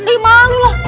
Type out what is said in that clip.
eh malu loh